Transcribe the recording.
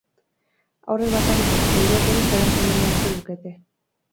Haurrek bakarrik ez, helduek ere jolas egin beharko lukete.